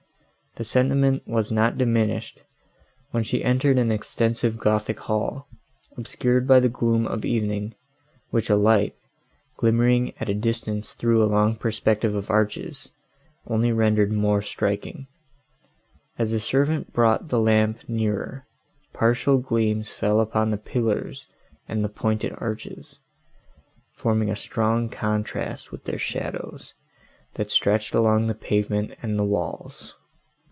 The sentiment was not diminished, when she entered an extensive gothic hall, obscured by the gloom of evening, which a light, glimmering at a distance through a long perspective of arches, only rendered more striking. As a servant brought the lamp nearer partial gleams fell upon the pillars and the pointed arches, forming a strong contrast with their shadows, that stretched along the pavement and the walls.